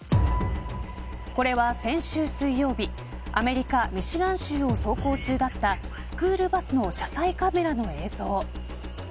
これは、先週水曜日アメリカ、ミシガン州を走行中だったスクールバスの車載カメラの映像。